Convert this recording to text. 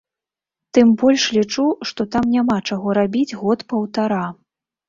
Тым больш лічу, што там няма чаго рабіць год-паўтара.